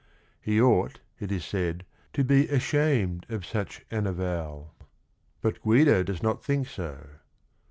He ought, it is said, to be ashamed of such an avowal. But Guido does not think so.